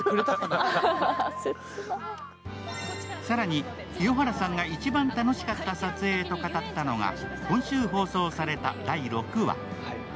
更に、清原さんが一番楽しかったと撮影と語ったのが、今週放送された第６話。